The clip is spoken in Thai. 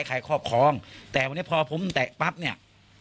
ครอบครองแต่วันนี้พอผมแตะปั๊บเนี่ย